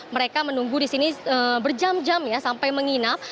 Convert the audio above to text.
mereka menunggu di sini berjam jam ya sampai menginap